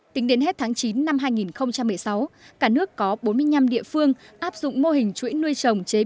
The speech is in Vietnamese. tính đến hết tháng chín năm hai nghìn một mươi sáu cả nước có bốn mươi năm địa phương áp dụng mô hình chuỗi nuôi trồng chế